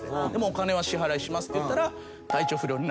お金は支払いしますっていったら。